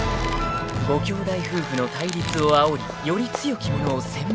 ［ご兄弟夫婦の対立をあおりより強き者を選別する］